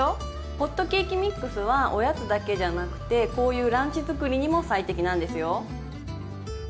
ホットケーキミックスはおやつだけじゃなくてこういうランチ作りにも最適なんですよ。